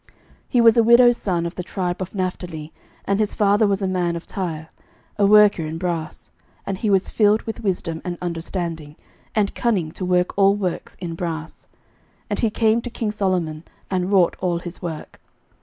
11:007:014 He was a widow's son of the tribe of Naphtali, and his father was a man of Tyre, a worker in brass: and he was filled with wisdom, and understanding, and cunning to work all works in brass. And he came to king Solomon, and wrought all his work.